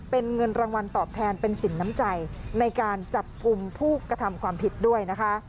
เป็นเงินรางวัลตอบแทนเป็นสินน้ำใจในการจับกลุ่มผู้กระทำความผิดด้วยนะคะ